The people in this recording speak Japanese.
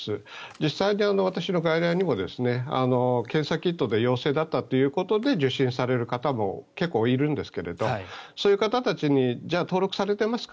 実際に私の外来にも検査キットで陽性だったということで受診される方も結構いるんですがそういう方たちに、じゃあ登録されてますか？